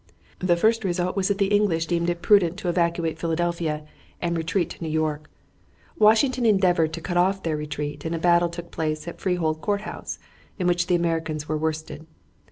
The first result was that the English deemed it prudent to evacuate Philadelphia and retreat to New York. Washington endeavored to cut off their retreat, and a battle took place at Freehold Court House, in which the Americans were worsted.